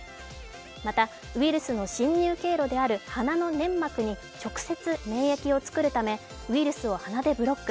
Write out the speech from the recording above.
またウイルスの侵入経路である鼻の粘膜に直接免疫を作るためウイルスを鼻でブロック。